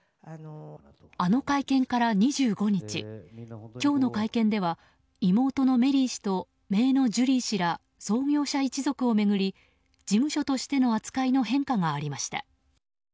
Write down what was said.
あの会見から２５日今日の会見では妹のメリー氏と姪のジュリー氏ら創業者一族を巡り事務所としての扱いの変化がありました。